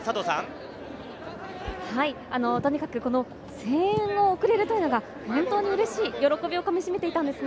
声援を送れるというのが本当にうれしいと喜びをかみしめていたんですね。